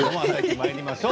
まいりましょう。